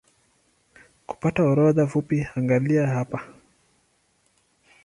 Kupata orodha fupi angalia hapa